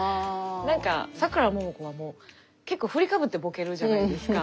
なんかさくらももこはもう結構振りかぶってボケるじゃないですか。